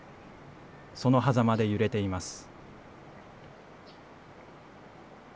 そのはざまで揺れています。